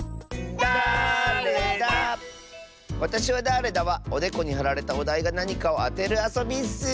「わたしはだれだ？」はおでこにはられたおだいがなにかをあてるあそびッス！